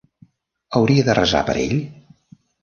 Hauria de resar per ell?